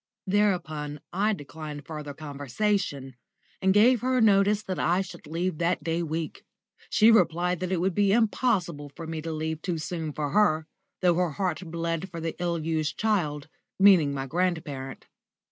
Thereupon I declined further conversation, and gave her notice that I should leave that day week. She replied that it would be impossible for me to leave too soon for her, though her heart bled for the ill used child, meaning my grandparent.